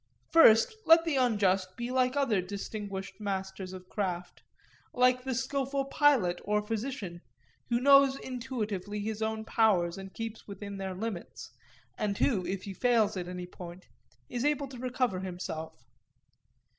First, let the unjust be like other distinguished masters of craft; like the skilful pilot or physician, who knows intuitively his own powers and keeps within their limits, and who, if he fails at any point, is able to recover himself.